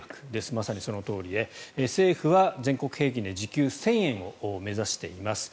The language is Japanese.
まさにそのとおりで政府は全国平均で時給１０００円を目指しています。